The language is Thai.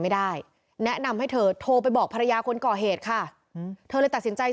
ไม่ได้แนะนำให้เธอโทรไปบอกภรรยาคนก่อเหตุค่ะเธอเลยตัดสินใจ